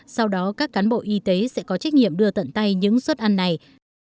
sau đó các cán bộ y tế sẽ có trách nhiệm đưa tận tay những suất ăn này